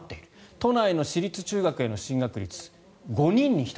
都内の私立中学への進学率５人に１人。